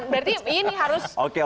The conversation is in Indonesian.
berarti ini harus